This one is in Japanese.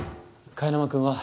貝沼君は？